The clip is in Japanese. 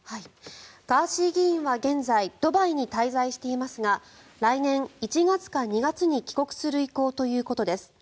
ガーシー議員は現在ドバイに滞在していますが来年１月か２月に帰国する意向ということです。